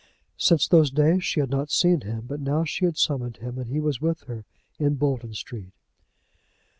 Since those days she had not seen him, but now she had summoned him, and he was with her in Bolton Street.